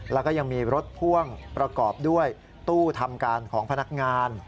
แล้วก็ยังมีรถพ่วงประกอบด้วยตู้ทำการของพนักงาน